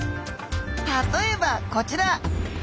例えばこちら。